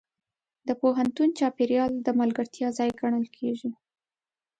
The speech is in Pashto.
د پوهنتون چاپېریال د ملګرتیا ځای ګڼل کېږي.